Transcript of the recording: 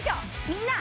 みんな。